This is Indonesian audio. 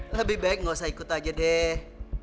lebih baik gak usah ikut aja deh